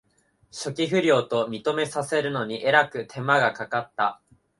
初期不良と認めさせるのにえらく手間がかかった